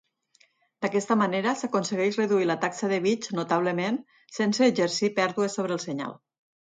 D'aquesta manera s'aconsegueix reduir la taxa de bits notablement sense exercir pèrdues sobre el senyal.